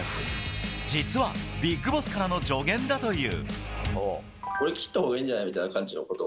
実は、ビッグボスからの助言だという。